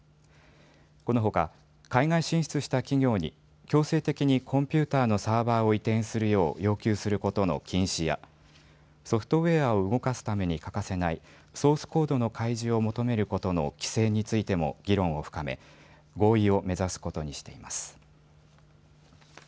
このほか海外進出した企業に強制的にコンピューターのサーバーを移転するよう要求することの禁止やソフトウエアを動かすために欠かせないソースコードの開示を求めることの規制についても議論を深め合意を目指すことにしています。